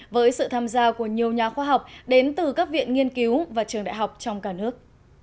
với sự tham gia của nhiều nhà khoa học đến từ các viện nghiên cứu và trường đại học trong cả nước